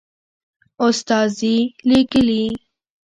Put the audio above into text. استازي لېږلي.